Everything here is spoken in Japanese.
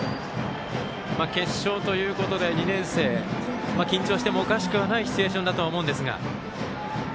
決勝ということで２年生、緊張してもおかしくはないシチュエーションだと思うんですが。